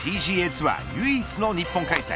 ツアー唯一の日本開催